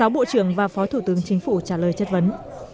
sáu bộ trưởng và phó thủ tướng chính phủ trả lời chất vấn